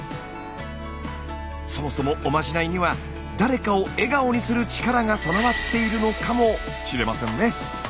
そもそもおまじないには誰かを笑顔にする力が備わっているのかもしれませんね。